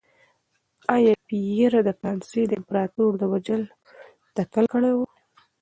ایا پییر د فرانسې د امپراتور د وژلو تکل کړی و؟